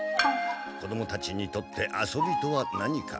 子どもたちにとって遊びとは何か。